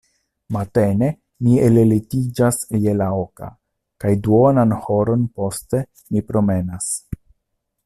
Matene mi ellitiĝas je la oka, kaj duonan horon poste mi promenas.